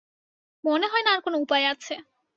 মনে হয় না আর কোন উপায় আছে।